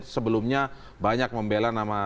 sebelumnya banyak membelas yang mungkin saja